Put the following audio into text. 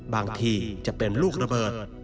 บางทีจะเป็นลูกระเบิด